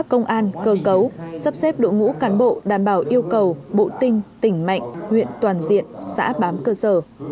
công an cơ cấu sắp xếp đội ngũ cán bộ đảm bảo yêu cầu bộ tinh tỉnh mạnh huyện toàn diện xã bám cơ sở